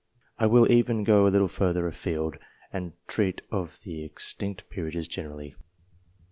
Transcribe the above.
I will even go a little further a field, and treat of the extinct peerages generally.